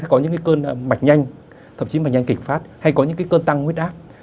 có những cái cơn mạch nhanh thậm chí mạch nhanh kịch phát hay có những cái cơn tăng huyết ác